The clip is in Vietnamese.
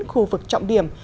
khu vực trọng điểm